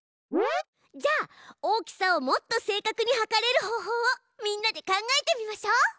じゃあ大きさをもっと正確にはかれる方法をみんなで考えてみましょう。